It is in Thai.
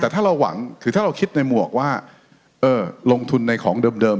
แต่ถ้าเราคิดในหมวกว่าลงทุนอย่างเดิม